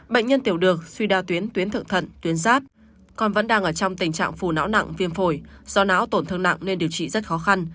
bệnh nhân tiểu đường suy đa tuyến tuyến thượng thận tuyến giáp còn vẫn đang ở trong tình trạng phù não nặng viêm phổi do não tổn thương nặng nên điều trị rất khó khăn